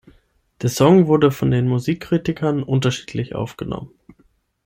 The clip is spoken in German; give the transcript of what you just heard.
Der Song wurde von den Musikkritikern unterschiedlich aufgenommen.